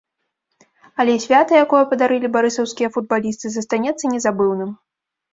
Але свята, якое падарылі барысаўскія футбалісты, застанецца незабыўным.